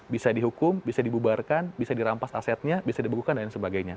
bisa dihukum bisa dibubarkan bisa dirampas asetnya bisa dibekukan dan lain sebagainya